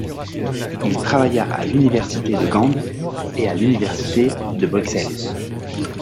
Il travailla à l'université de Gand et à l'université de Bruxelles.